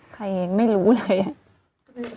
ใครเองไม่รู้เลย